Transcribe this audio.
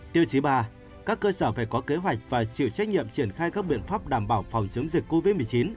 tiêu chí ba các cơ sở phải có kế hoạch và chịu trách nhiệm triển khai các biện pháp đảm bảo phòng chống dịch covid một mươi chín